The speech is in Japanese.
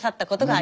あ！